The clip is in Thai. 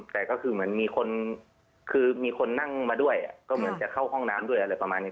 แต่ก็คือเหมือนมีคนคือมีคนนั่งมาด้วยก็เหมือนจะเข้าห้องน้ำด้วยอะไรประมาณนี้